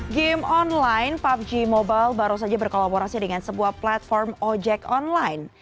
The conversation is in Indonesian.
game online pubg mobile baru saja berkolaborasi dengan sebuah platform ojek online